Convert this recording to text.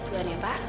udah nih pak